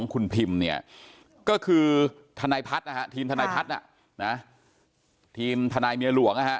คุณพิมเนี่ยก็คือทนายพัฒน์นะฮะทีมทนายพัฒน์ทีมทนายเมียหลวงนะฮะ